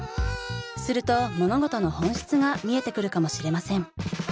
すると物事の本質が見えてくるかもしれません。